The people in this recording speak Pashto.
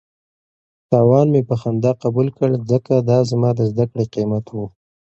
تاوان مې په خندا قبول کړ ځکه دا زما د زده کړې قیمت و.